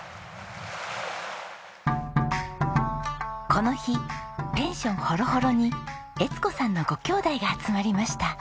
この日ペンションほろほろに江津子さんのごきょうだいが集まりました。